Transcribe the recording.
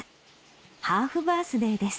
ハーフバースデーです。